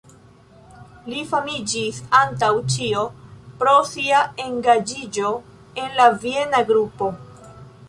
Li famiĝis antaŭ ĉio pro sia engaĝiĝo en la Viena Grupo.